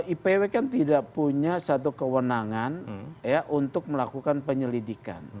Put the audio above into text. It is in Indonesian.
ipw kan tidak punya satu kewenangan untuk melakukan penyelidikan